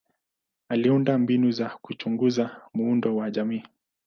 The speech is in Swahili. Aliunda mbinu za kuchunguza muundo wa jamii.